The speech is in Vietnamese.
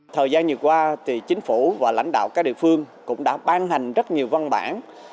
thời gian vừa qua thì chính phủ và lãnh đạo các địa phương cũng đã ban hành rất nhiều văn bản